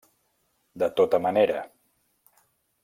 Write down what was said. De tota manera.